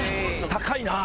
高いなあ。